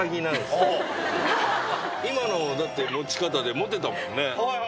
今のだって持ち方で持てたもんね。